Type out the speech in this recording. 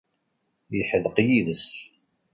Yeḥdeq yid-s.